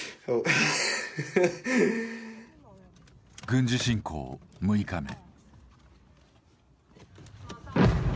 軍事侵攻６日目。